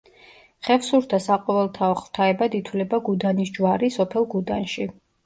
ხევსურთა საყოველთაო ღვთაებად ითვლება გუდანის ჯვარი სოფელ გუდანში.